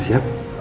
kau ada apa apa